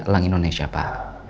lang indonesia pak